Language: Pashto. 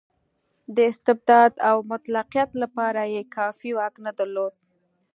د استبداد او مطلقیت لپاره یې کافي واک نه درلود.